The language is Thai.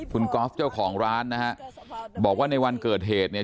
คุณกอล์ฟเจ้าของร้านนะฮะบอกว่าในวันเกิดเหตุเนี่ย